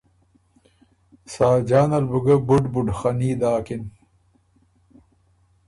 ساجان بُو ګۀ بُډ بُد خني داکِن